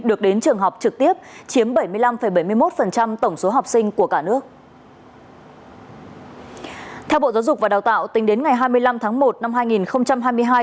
được đến trường học trực tiếp chiếm bảy mươi năm bảy mươi một